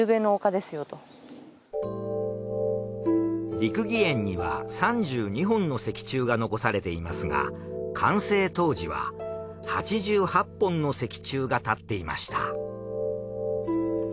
六義園には３２本の石柱が残されていますが完成当時は八十八本の石柱が立っていました。